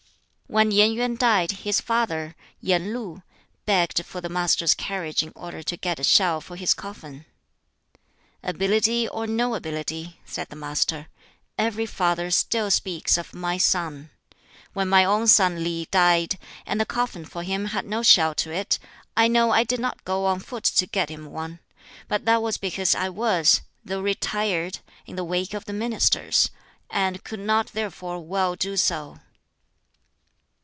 When Yen Yuen died, his father, Yen Lu, begged for the Master's carriage in order to get a shell for his coffin. "Ability or no ability," said the Master, "every father still speaks of 'my son.' When my own son Li died, and the coffin for him had no shell to it, I know I did not go on foot to get him one; but that was because I was, though retired, in the wake of the ministers, and could not therefore well do so."